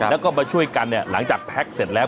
แล้วก็มาช่วยกันหลังจากแพ็กส์เสร็จแล้ว